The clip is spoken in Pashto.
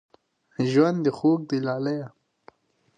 ژوند دې خوږ دی لالیه